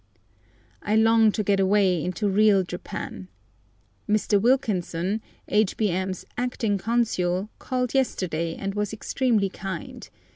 I long to get away into real Japan. Mr. Wilkinson, H.B.M.'s acting consul, called yesterday, and was extremely kind.